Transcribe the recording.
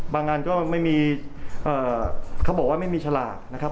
บางอาจจะไม่มีเอ่อเขาบอกว่าไม่มีฉลาดนะครับ